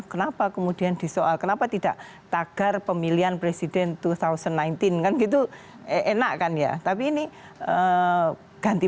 kenapa kemudian disoal kenapa tidak tagar pemilihan presiden dua ribu sembilan belas kan gitu enak kan ya tapi ini ganti